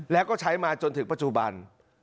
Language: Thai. แล้วก็ใช้มาจนถึงปัจจุบัน